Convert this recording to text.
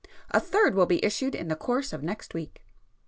A Third will be issued in the course of next week."